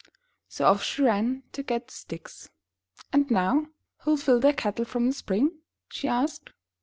So off she ran to get the sticks. ''And now, who'll fill the kettle from the spring?" she asked.